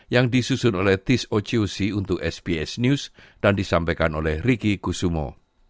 yang disusun oleh tiskoc untuk sbs news dan disampaikan oleh riki kusumo